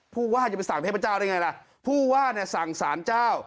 ผู้ว่าจะไปสั่งเทพเจ้าได้ไงล่ะผู้ว่าเนี่ยสั่งสารเจ้า